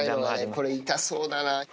これ、痛そうだな。